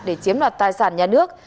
để chiếm loạt tài sản nhà nước